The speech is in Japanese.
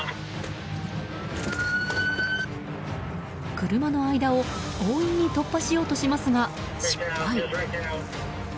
車の間を強引に突破しようとしますが失敗。